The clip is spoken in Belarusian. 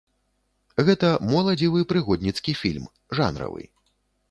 Гэта моладзевы прыгодніцкі фільм, жанравы.